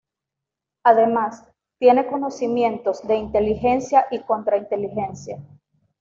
Además, tiene conocimientos de inteligencia y contrainteligencia.